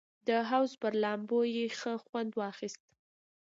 د حوض پر لامبو یې ښه خوند واخیست.